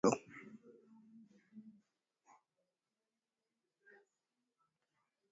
matumizi ya viazi lishe husaidia kupunguza utapiamlo